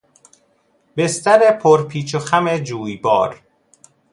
بستر پرپیچ و خم جویبار